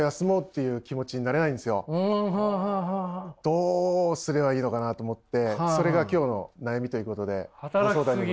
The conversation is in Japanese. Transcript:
どうすればいいのかなと思ってそれが今日の悩みということでご相談に。